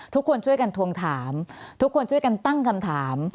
ทุกคนช่วยกันทวงถามทุกคนช่วยกันตั้งคำถาม